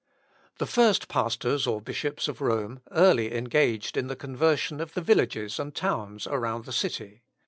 The first pastors or bishops of Rome early engaged in the conversion of the villages and towns around the city.